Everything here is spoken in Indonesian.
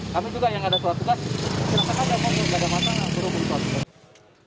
kami juga yang ada surat tugas serahkan ada yang mau tidak ada masalah